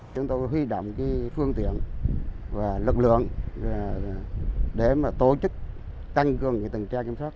chúng tôi huy động phương tiện và lực lượng để tổ chức tăng cường lực lượng tuần tra